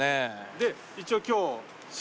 で一応今日。